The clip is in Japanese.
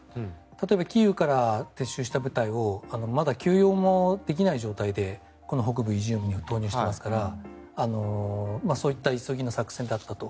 例えばキーウから撤収した部隊をまだ休養もできない状態でこの北部イジュームに投入していますからそういった急ぎの作戦だったと。